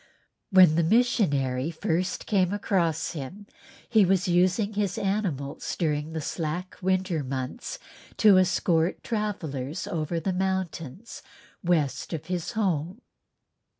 When the missionary first came across him he was using his animals during the slack winter months to escort travellers over the mountains west of his home.